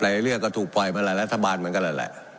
เรื่องก็ถูกปล่อยมาหลายรัฐบาลเหมือนกันแหละ